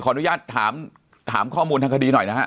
อนุญาตถามข้อมูลทางคดีหน่อยนะฮะ